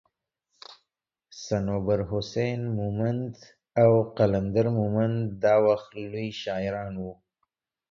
صنوبر حسين مومند او قلندر مومند دا وخت لوي شاعران وو